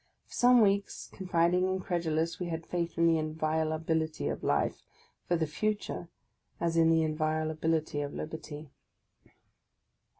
For some weeks confiding and credulous, we had faith in the inviolability of life, for the future, as in the inviolability of liberty.